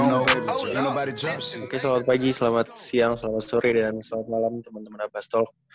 oke selamat pagi selamat siang selamat sore dan selamat malam teman teman abastol